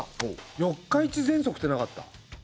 四日市ぜんそくってなかった？